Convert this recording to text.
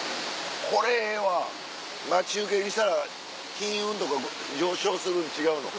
これええわ待ち受けにしたら金運とか上昇するん違うの？